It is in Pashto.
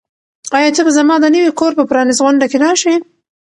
آیا ته به زما د نوي کور په پرانیستغونډه کې راشې؟